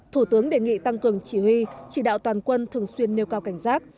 thủ tướng đề nghị tăng cường chỉ huy chỉ đạo toàn quân thường xuyên nêu cao cảnh giác